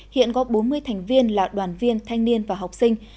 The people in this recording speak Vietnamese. hiện có bốn mươi thành viên là đoàn viên thanh niên và học sinh